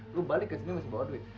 lo balik ke sini masih bawa duit